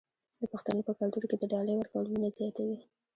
د پښتنو په کلتور کې د ډالۍ ورکول مینه زیاتوي.